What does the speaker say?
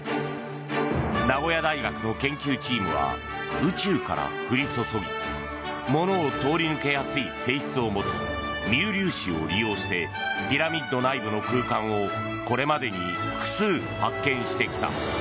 名古屋大学の研究チームは宇宙から降り注ぎ物を通り抜けやすい性質を持つミュー粒子を利用してピラミッド内部の空間をこれまでに複数発見してきた。